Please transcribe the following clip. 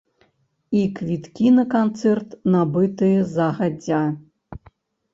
І квіткі на канцэрт, набытыя загадзя.